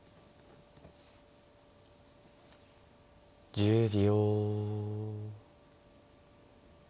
１０秒。